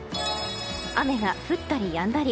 雨が降ったりやんだり。